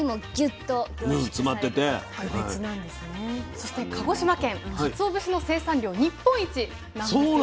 そして鹿児島県かつお節の生産量日本一なんですよ。